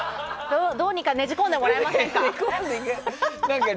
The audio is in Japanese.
どうにかねじ込んでもらえませんか？